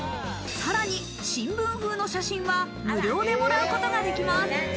さらに新聞風の写真は無料でもらうことができます。